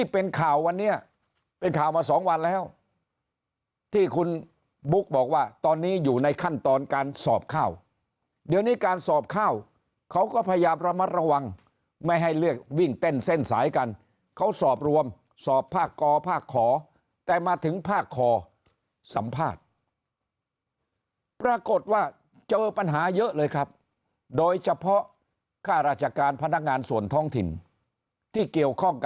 เป็นข่าววันนี้เป็นข่าวมาสองวันแล้วที่คุณบุ๊กบอกว่าตอนนี้อยู่ในขั้นตอนการสอบข้าวเดี๋ยวนี้การสอบข้าวเขาก็พยายามระมัดระวังไม่ให้เลือกวิ่งเต้นเส้นสายกันเขาสอบรวมสอบภาคกอภาคขอแต่มาถึงภาคคอสัมภาษณ์ปรากฏว่าเจอปัญหาเยอะเลยครับโดยเฉพาะค่าราชการพนักงานส่วนท้องถิ่นที่เกี่ยวข้องกับ